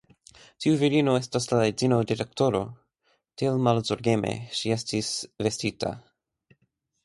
Tiu virino estas la edzino de doktoro, tiel malzorgeme ŝi estis vestita.